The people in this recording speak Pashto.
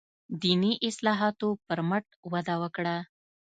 دیني اصلاحاتو پر مټ وده وکړه.